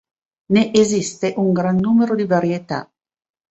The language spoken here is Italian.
Ne esiste un gran numero di varietà.